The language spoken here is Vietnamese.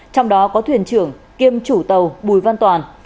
trong đó có thuyền trưởng kiêm chủ tàu bùi văn toàn